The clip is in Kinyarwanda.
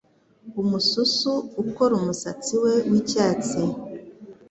Umususu ukora umusatsi we w'icyatsi